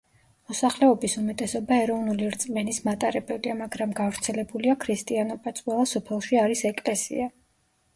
მოსახლეობის უმეტესობა ეროვნული რწმენის მატარებელია, მაგრამ გავრცელებულია ქრისტიანობაც, ყველა სოფელში არის ეკლესია.